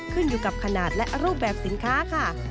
ขึ้นอยู่กับขนาดและรูปแบบสินค้าค่ะ